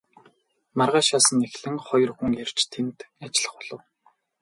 Маргаашаас нь эхлэн хоёр хүн ирж тэнд ажиллах болов.